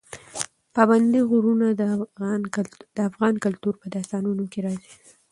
پابندی غرونه د افغان کلتور په داستانونو کې راځي.